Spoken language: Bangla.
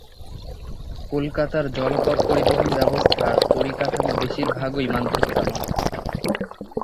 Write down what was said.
কলকাতার জলপথ পরিবহন ব্যবস্থার পরিকাঠাম বেশির ভাগই মান্ধাতামলের।